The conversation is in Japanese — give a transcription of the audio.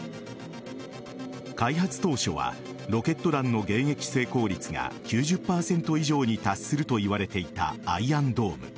開発当初はロケット弾の迎撃成功率が９０％以上に達するといわれていたアイアンドーム。